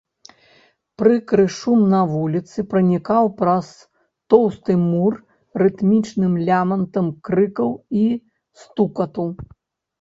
Прыкры шум на вуліцы пранікаў праз тоўсты мур рытмічным лямантам крыкаў і стукату.